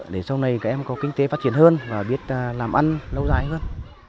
để sau này các em có kinh tế phát triển hơn và biết làm ăn lâu dài hơn